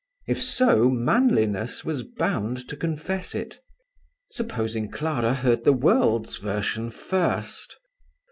If so, manliness was bound to confess it. Supposing Clara heard the world's version first!